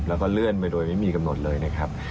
แล้วก็เลื่อนไปโดยไม่มีกำหนดเลยนะครับ